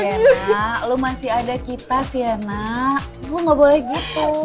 sienna lu masih ada kita sienna lu gak boleh gitu